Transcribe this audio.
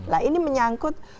nah ini menyangkut